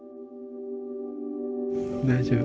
大丈夫？